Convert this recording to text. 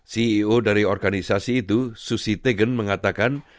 ceo dari organisasi itu susie tegan mengatakan